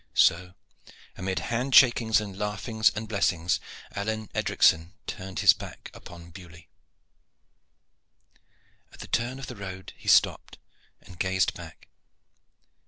So, amid hand shakings and laughings and blessings, Alleyne Edricson turned his back upon Beaulieu. At the turn of the road he stopped and gazed back.